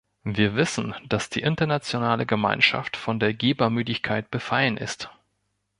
Wir wissen, dass die internationale Gemeinschaft von der Gebermüdigkeit befallen ist.